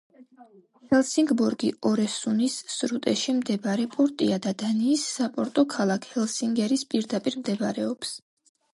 ჰელსინგბორგი ორესუნის სრუტეში მდებარე პორტია და დანიის საპორტო ქალაქ ჰელსინგერის პირდაპირ მდებარეობს.